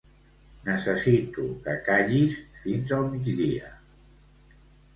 Necessito que callis fins al migdia.